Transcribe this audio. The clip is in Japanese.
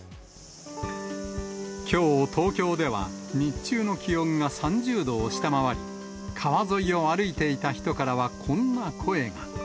きょう東京では、日中の気温が３０度を下回り、川沿いを歩いていた人からは、こんな声が。